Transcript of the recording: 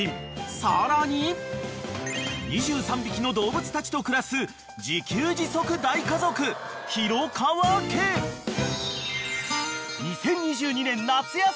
［さらに２３匹の動物たちと暮らす自給自足大家族廣川家］［２０２２年夏休み